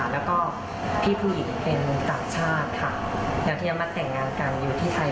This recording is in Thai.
แล้วก็พี่ผู้หญิงเป็นต่างชาติค่ะยังที่จะมาแต่งงานกันอยู่ที่ไทย